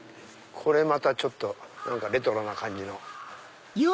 これまたちょっとレトロな感じの。